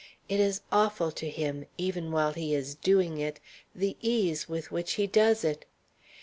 It is awful to him, even while he is doing it, the ease with which he does it.